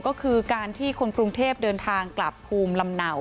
ก็คือการที่คนกรุงเทพเดินทางกลับภูมิลำเนา